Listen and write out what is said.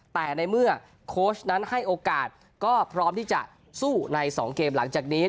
แต่ในเมื่อโค้ชนั้นให้โอกาสก็พร้อมที่จะสู้ใน๒เกมหลังจากนี้